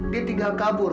dia tinggal kabur